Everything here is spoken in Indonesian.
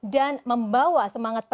dan membawa semangat